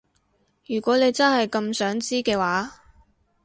如果你真係咁想知嘅話